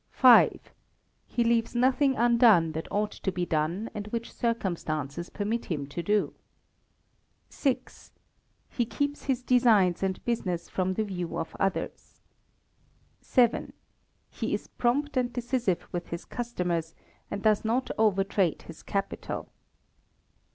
v. He leaves nothing undone that ought to be done, and which circumstances permit him to do. vi. He keeps his designs and business from the view of others. vii. He is prompt and decisive with his customers, and does not over trade his capital.